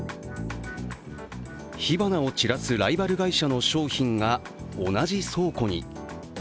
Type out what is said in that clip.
火花を散らすライバル会社の商品が同じ倉庫に。